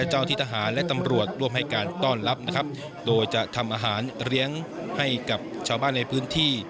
เจ้าที่ทหารและตำรวจร่วมให้การต้อนรับนะครับโดยจะทำอาหารเลี้ยงให้กับชาวบ้านในพื้นที่